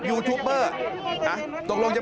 ก็ตอบได้คำเดียวนะครับ